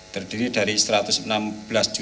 terdiri dari rp satu ratus enam belas